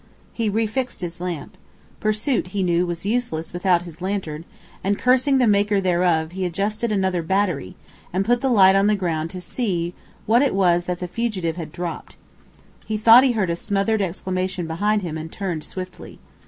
He re fixed his lamp. Pursuit, he knew, was useless without his lantern, and, cursing the maker thereof, he adjusted another battery, and put the light on the ground to see what it was that the fugitive had dropped. He thought he heard a smothered exclamation behind him and turned swiftly.